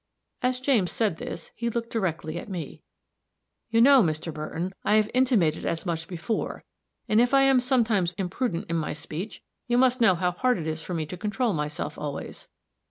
As James said this, he looked directly at me. "You know, Mr. Burton, I have intimated as much before; and, if I am sometimes imprudent in my speech, you must know how hard it is for me to control myself always."